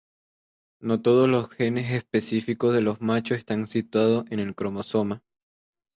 No todos los genes específicos de los machos están situados en el cromosoma.